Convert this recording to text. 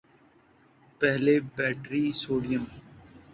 پہلے battery sodium